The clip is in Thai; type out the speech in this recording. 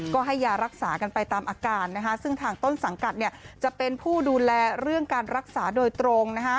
ก็ให้ยารักษากันไปตามอาการซึ่งทางต้นสังกัดจะเป็นผู้ดูแลเรื่องการรักษาโดยตรง